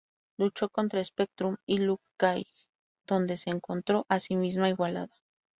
Luchó contra Spectrum y Luke Cage donde se encontró a sí misma igualada.